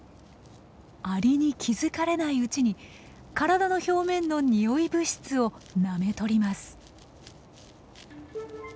アリに気付かれないうちに体の表面の匂い物質をなめとります。